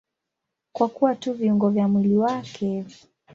Kwa kuwa tu viungo vya mwili wake.